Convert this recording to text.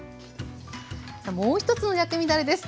さあもう一つの薬味だれです。